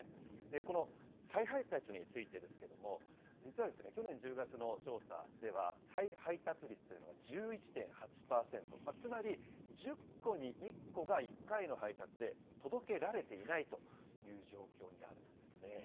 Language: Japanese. この再配達についてですけれども、実は去年１０月の調査では、再配達率というのが１１．８％、つまり１０個に１個が１回の配達で届けられていないという状況にあるんですね。